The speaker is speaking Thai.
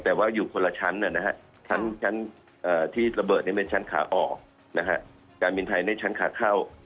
แต่ว่าอยู่คนละชั้นที่ระเบิดนี้เป็นชั้นขาออกการบินไทยในชั้นขาเข้า